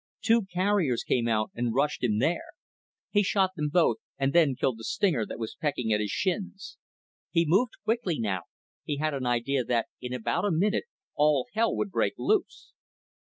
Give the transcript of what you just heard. Two carriers came out and rushed him there. He shot them both and then killed the stinger that was pecking at his shins. He moved quickly now, he had an idea that in about a minute all hell would break loose.